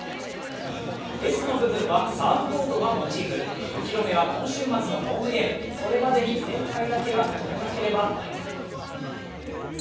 Ｓの部分はサーフボードがモチーフお披露目は、今週末のホームゲームそれまでに連敗だけは止めなければ。